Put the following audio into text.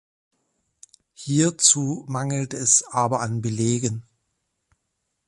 Hierzu mangelt es aber an Belegen.